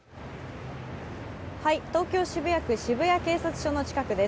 東京・渋谷区渋谷警察署の近くです。